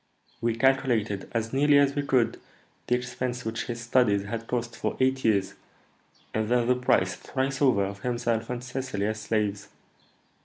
"We calculated, as nearly as we could, the expense which his studies had cost for eight years, and then the price, thrice over, of himself and Cecily as slaves.